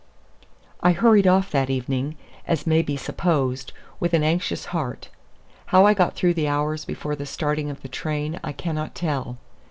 I hurried off that evening, as may be supposed, with an anxious heart. How I got through the hours before the starting of the train, I cannot tell.